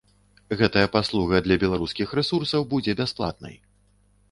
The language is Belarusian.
Гэтая паслуга для беларускіх рэсурсаў будзе бясплатнай.